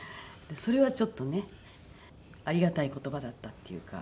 それはちょっとねありがたい言葉だったっていうか。